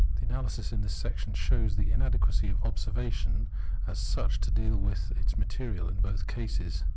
The analysis in this section shows the inadequacy of observation as such to deal with its material in both cases.